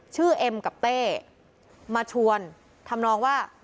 เอ็มกับเต้มาชวนทำนองว่า